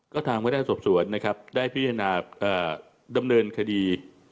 ก็ทางพนักงานสอบสวนนะครับได้พิจารณาดำเนินคดี